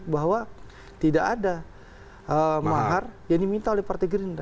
bahwa tidak ada mahar yang diminta oleh partai gerindra